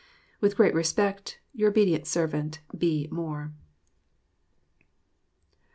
With great respect, your ob't serv't, B. MOORE.